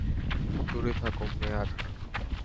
দূরে থাকো, মেয়ার!